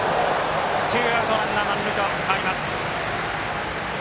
ツーアウト、ランナー、満塁と変わります。